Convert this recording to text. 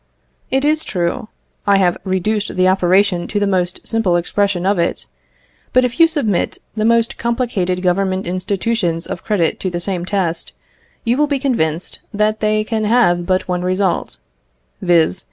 It is true, I have reduced the operation to the most simple expression of it, but if you submit the most complicated Government institutions of credit to the same test, you will be convinced that they can have but one result; viz.